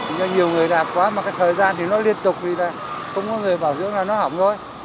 nhiều người đạp quá mà cái thời gian thì nó liên tục đi ra không có người bảo dưỡng là nó hỏng thôi